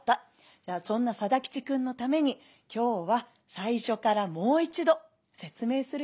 じゃあそんな定吉くんのために今日は最初からもう一度説明するよ。